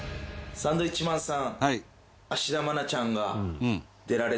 サンドウィッチマンさん